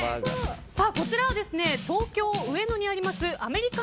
こちらは、東京・上野にあります